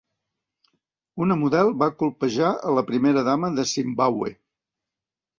Una model va colpejar a la primera dama de Zimbàbue